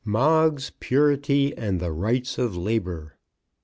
MOGGS, PURITY, AND THE RIGHTS OF LABOUR.